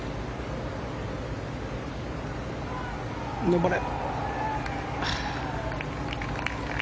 上れ。